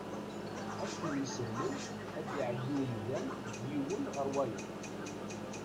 Akken isehlen ad iɛeddi umdan deg yiwen ɣer wayeḍ.